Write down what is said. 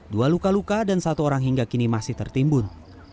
dua luka luka dan satu orang hingga kini masih tertimbun